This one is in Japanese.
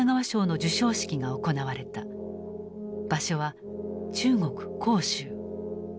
場所は中国・杭州。